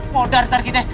mau dar ntar kita